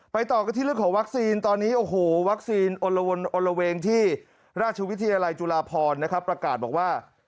ต่อกันที่เรื่องของวัคซีนตอนนี้โอ้โหวัคซีนโอละเวงที่ราชวิทยาลัยจุฬาพรนะครับประกาศบอกว่า